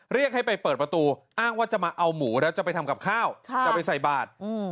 เรียกให้ไปเปิดประตูอ้างว่าจะมาเอาหมูแล้วจะไปทำกับข้าวจะไปใส่บาท